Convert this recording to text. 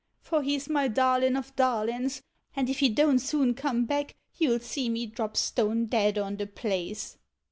For he's my darliir of darlin's, and if he don't soon come back, you Ml see me drop stone dead on the place.